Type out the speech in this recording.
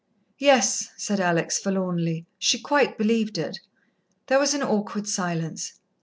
"Yes," said Alex forlornly. She quite believed it. There was an awkward silence.